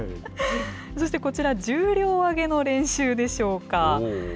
そしてこちら、重量挙げの練習でしょうか？